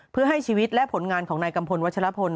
เพื่อให้ชีวิตและผลงานของนายกัมพลวัชลพล